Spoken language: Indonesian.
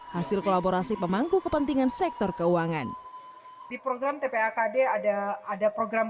hasil kolaborasi pemangku kepentingan sektor keuangan di program tpa kd ada ada program